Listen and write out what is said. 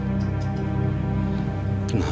kenapa harus bingung